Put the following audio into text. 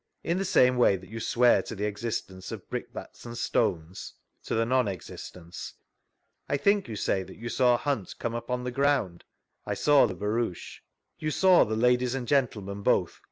In the same way that you swear to the existence of brickbats and stones? — To the non existence. I think you say you saw Hunt come upon the ground?— I saw the barouche. You saw the ladies and gentlemen both.